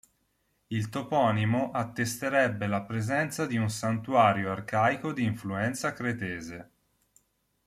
Il toponimo attesterebbe la presenza di un santuario arcaico di influenza cretese.